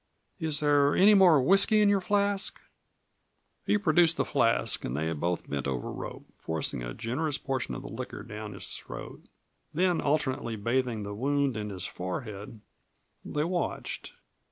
"Is there any more whiskey in your flask?" He produced the flask, and they both bent over Rope, forcing a generous portion of the liquor down his throat. Then, alternately bathing the wound and his forehead, they watched.